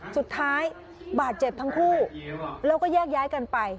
สุดท้ายบาดเจ็บทั้งคู่แล้วก็แยกย้ายกันไป